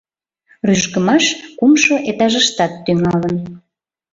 Рӱжгымаш кумшо этажыштат тӱҥалын.